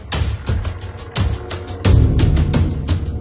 แล้วก็พอเล่ากับเขาก็คอยจับอย่างนี้ครับ